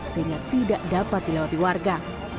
sehingga tidak dapat dilewati warga